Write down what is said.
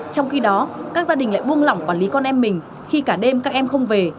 trong khi đó các gia đình lại buông lỏng quản lý con em mình khi cả đêm các em không về